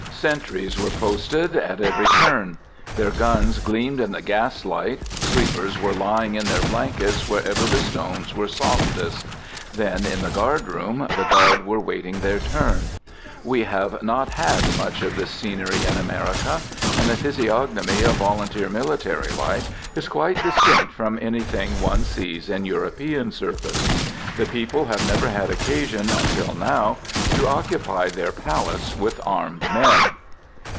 Sentries were posted at every turn. Their guns gleamed in the gaslight. Sleepers were lying in their blankets wherever the stones were softest. Then in the guard room the guard were waiting their turn. We have not had much of this scenery in America, and the physiognomy of volunteer military life is quite distinct from anything one sees in European service. The People have never had occasion until now to occupy their Palace with armed men.